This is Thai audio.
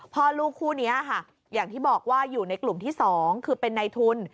พ่อลูกคู่นี้ค่ะอย่างที่บอกว่าอยู่ในกลุ่มที่๒คือเป็นในทุน